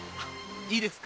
いいですか？